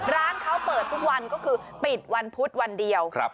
ร้านเขาเปิดทุกวันก็คือปิดวันพุธวันเดียว